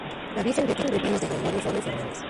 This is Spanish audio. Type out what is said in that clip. La virgen repite modelos de Gregorio Fernández.